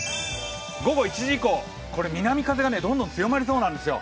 午後１時以降南風がどんどん強まりそうなんですよ。